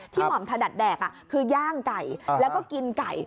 หม่อมถนัดแดกคือย่างไก่แล้วก็กินไก่